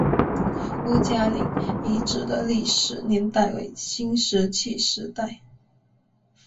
吴家岭遗址的历史年代为新石器时代。